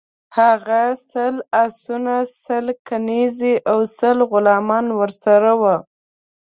هغه سل آسونه، سل کنیزي او سل غلامان ورسره وه.